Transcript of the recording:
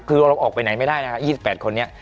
คือเราออกไปไหนไม่ได้นะครับ๒๘คนนี้